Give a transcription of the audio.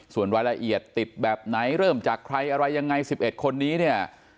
ส่วนรายละเอียดติดแบบไหนเริ่มจากใครอะไรยังไง๑๑คนนี้เนี่ย